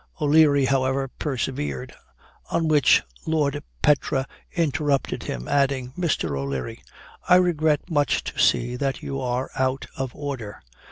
O'Leary, however, persevered: on which Lord Petre interrupted him, adding, "Mr. O'Leary, I regret much to see that you are out of order."